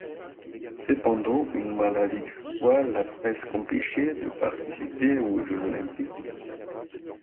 Cependant, une maladie du foie l'a presque empêchée de participer aux Jeux olympiques.